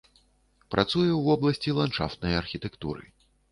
Працуе ў вобласці ландшафтнай архітэктуры.